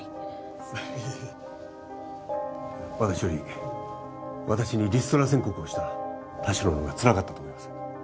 私より私にリストラ宣告をした田代のほうがつらかったと思います。